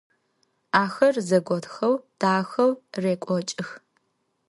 Ахэр зэготхэу дахэу рекӏокӏых.